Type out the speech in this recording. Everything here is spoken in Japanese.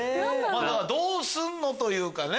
どうすんの？というかね。